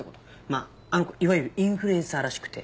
まああの子いわゆるインフルエンサーらしくて。